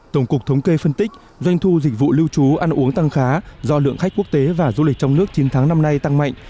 tổng cục thống kê phân tích doanh thu dịch vụ lưu trú ăn uống tăng khá do lượng khách quốc tế và du lịch trong nước chín tháng năm nay tăng mạnh